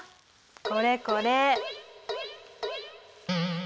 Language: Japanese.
これこれ！